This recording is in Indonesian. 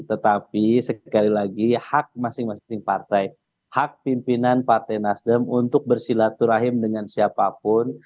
tetapi sekali lagi hak masing masing partai hak pimpinan partai nasdem untuk bersilaturahim dengan siapapun